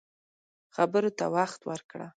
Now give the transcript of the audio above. خبرو ته وخت ورکړه